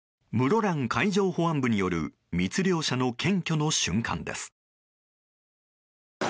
室蘭海上保安部による密漁者の検挙の瞬間です。